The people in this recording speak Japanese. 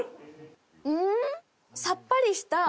うん？